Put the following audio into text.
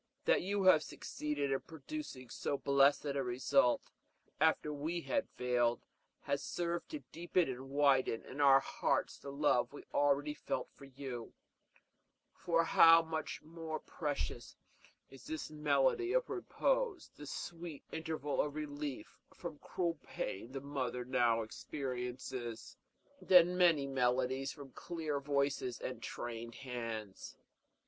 That you have succeeded in producing so blessed a result, after we had failed, has served to deepen and widen in our hearts the love we already felt for you; for how much more precious is this melody of repose, this sweet interval of relief from cruel pain the mother now experiences, than many melodies from clear voices and trained hands."